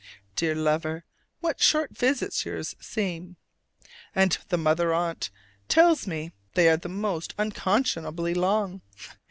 Dear lover, what short visits yours seem! and the Mother Aunt tells me they are most unconscionably long.